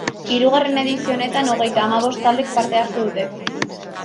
Hirugarren edizio honetan, hogeita hamabost taldek parte hartu dute.